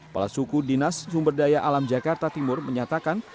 pala suku dinas sumberdaya alam jakarta timur menyatakan